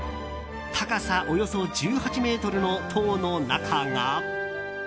高さおよそ１８ｍの塔の中が。